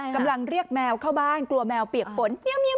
กำลังเรียกแมวเข้าบ้านกลัวแมวเปียกฝน